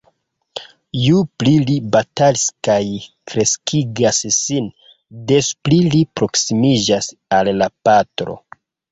Ju pli li batalas kaj kreskigas sin, des pli li proksimiĝas al la patro.